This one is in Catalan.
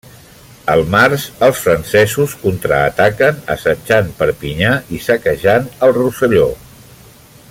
Al març els francesos contraataquen assetjant Perpinyà i saquejant el Rosselló.